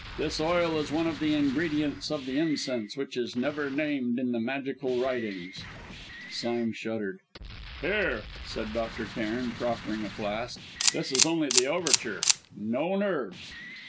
This oil is one of the ingredients of the incense which is never named in the magical writings." Sime shuddered. "Here!" said Dr. Cairn, proffering a flask. "This is only the overture! No nerves."